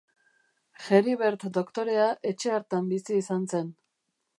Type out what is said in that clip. Heribert doktorea etxe hartan bizi izan zen.